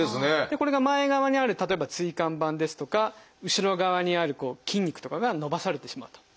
これが前側にある例えば椎間板ですとか後ろ側にある筋肉とかが伸ばされてしまうと。